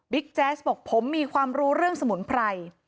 แจ๊สบอกผมมีความรู้เรื่องสมุนไพร